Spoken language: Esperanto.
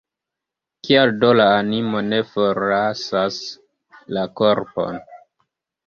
Kial do la animo ne forlasas la korpon?